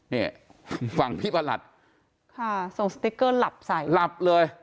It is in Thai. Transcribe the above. นี่ฝั่งพี่ประหลัดค่ะส่งสติ๊กเกอร์หลับใส่หลับเลย